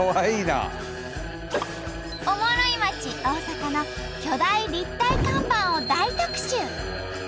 おもろい街大阪の巨大立体看板を大特集！